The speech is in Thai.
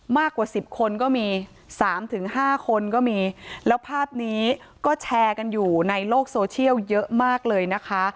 มากกว่าสิบคนก็มีสามถึงห้าคนก็มีแล้วภาพนี้ก็แชร์กันอยู่ในโลกโซเชียลเยอะมากเลยนะคะ